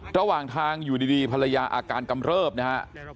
ระหว่างทางอยู่ดีภรรยาอาการกำเริบนะฮะ